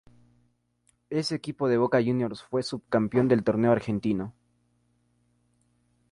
Ese equipo de Boca Juniors fue subcampeón del torneo argentino.